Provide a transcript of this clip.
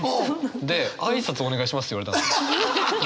で挨拶お願いしますって言われたんですよ。